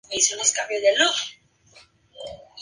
Sin duda alguna, la fiesta más popular de Venecia es el Carnaval.